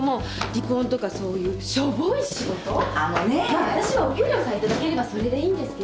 まあわたしはお給料さえ頂ければそれでいいんですけど。